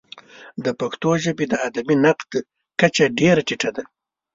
د پښتو ژبې د ادبي نقد کچه ډېره ټیټه ده.